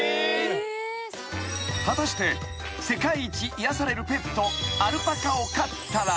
［果たして世界一癒やされるペットアルパカを飼ったら］